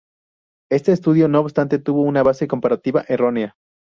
Este estudio, no obstante, tuvo una base comparativa errónea.